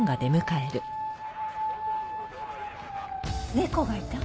猫がいた？